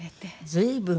随分。